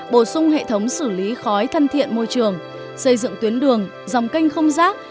bổ sung hệ thống xử lý khói thân thiện môi trường xây dựng tuyến đường dòng canh không rác